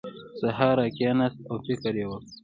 سهار راکېناست او فکر یې وکړ.